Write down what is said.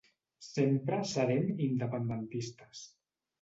Sempre serem independentistes.